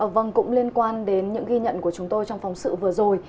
vâng cũng liên quan đến những ghi nhận của chúng tôi trong phóng sự vừa rồi